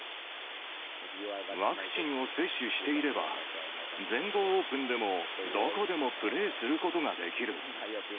ワクチンを接種していれば、全豪オープンでも、どこでもプレーすることができる。